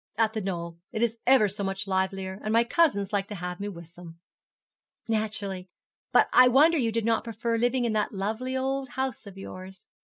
'At The Knoll. It is ever so much livelier, and my cousins like to have me with them.' 'Naturally. But I wonder you did not prefer living in that lovely old house of yours.